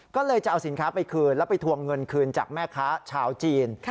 ก็เลยจะเอาสินค้าไปคืนแล้วไปทวงเงินคืนจากแม่ค้าชาวจีน